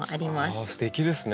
ああすてきですね。